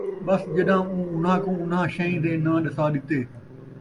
ٻس ڄَݙاں اُوں اُنھاں کُوں اُنھاں شَئیں دے ناں ݙَسا ݙِتے،